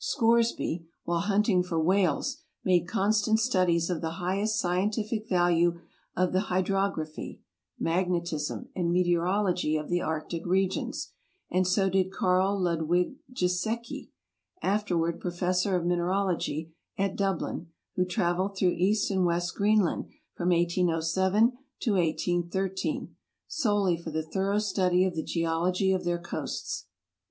Scoresby, while hunting for whales, made constant studies of the highest scientific value of the hydrog raphy, magnetism, and meteorology of the arctic regions; and so did Karl Ludwig Gieseke, afterward Professor of Min eralogy at Dublin, who traveled through East and West Greenland from 1807 to 181 3 solely for the thorough study of the geology of their coasts.